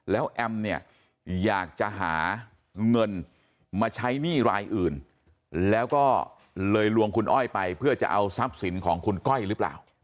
แล้วแอมเนี่ยอยากจะหาเงินมาใช้หนี้รายอื่นแล้วก็เลยลวงคุณอ้อยไปเพื่อจะเอาทรัพย์สินของคุณก้อยหรือเปล่า